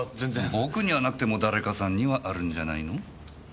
僕にはなくても誰かさんにはあるんじゃないの？